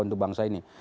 untuk bangsa ini